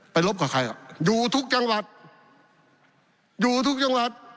ไปรบกับใครอยู่ทุกจังหวัด